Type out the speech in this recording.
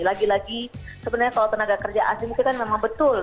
lagi lagi sebenarnya kalau tenaga kerja asing mungkin kan memang betul